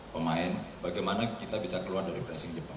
pemain bagaimana kita bisa keluar dari pressing jepang